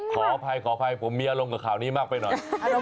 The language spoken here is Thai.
ขออภัยขออภัยผมมีอารมณ์กับข่าวนี้มากไปหน่อย